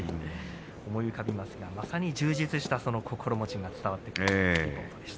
思い浮かびますがまさに充実した心持ちが伝わってきます。